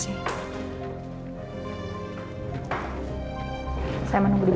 silakan paham kenapa berdiri